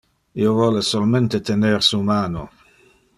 Io vole solmente tener su mano.